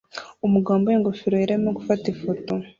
Umugabo wambaye ingofero yera arimo gufata ifoto